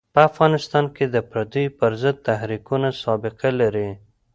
په افغانستان کې د پرديو پر ضد تحریکونه سابقه لري.